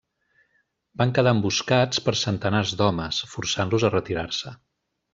Van quedar emboscats per centenars d'homes, forçant-los a retirar-se.